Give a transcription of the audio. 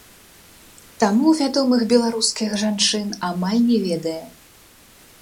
Таму вядомых беларускіх жанчын амаль не ведае.